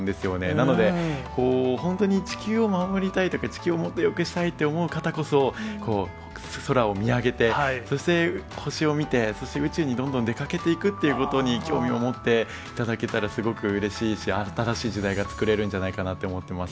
なので、本当に地球を守りたいとか、地球をもっとよくしたいと思う方こそ、空を見上げて、そして星を見て、そして、宇宙にどんどん出かけていくということに興味を持っていただけたらすごくうれしいし、新しい時代が作れるんじゃないかなと思ってます。